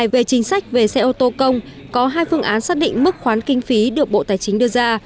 về chính sách về xe ô tô công có hai phương án xác định mức khoán kinh phí được bộ tài chính đưa ra